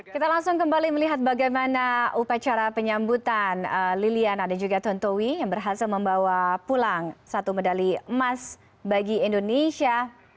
kita langsung kembali melihat bagaimana upacara penyambutan liliana dan juga tontowi yang berhasil membawa pulang satu medali emas bagi indonesia